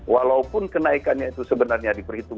walaupun kenaikannya itu sebenarnya diperhitung